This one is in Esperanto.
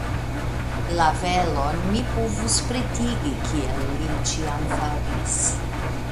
La velon mi povus pretigi kiel li ĉiam faris.